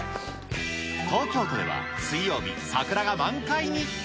東京都では水曜日、桜が満開に。